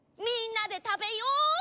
みんなでたべよ！